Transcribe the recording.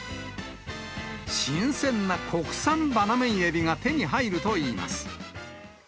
新鮮な国産バナメイエビが手に入るといいます。